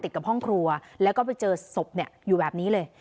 กับห้องครัวแล้วก็ไปเจอศพอยู่แบบนี้เลย